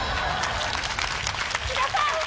津田さん